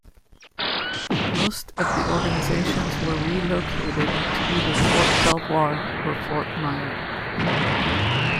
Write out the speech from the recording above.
Most of the organizations were relocated to either Fort Belvoir or Fort Myer.